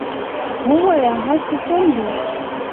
ووایه هر څه سم دي!